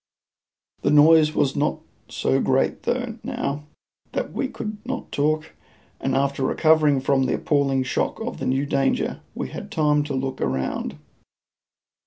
The noise was not so great though, now, that we could not talk, and after recovering from the appalling shock of the new danger we had time to look around.